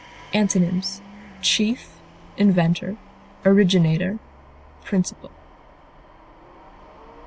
Antonyms: chief, inventor, originator, principal.